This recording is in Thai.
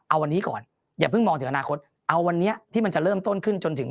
เอาวันนี้ก่อนอย่าเพิ่งมองถึงอนาคตเอาวันนี้ที่มันจะเริ่มต้นขึ้นจนถึง